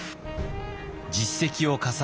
実績を重ね